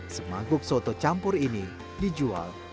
semangkuk soto campur ini dijual rp enam belas